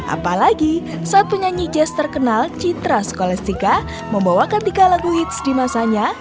apalagi saat penyanyi jazz terkenal citra skolestika membawa kartika lagu hits di masanya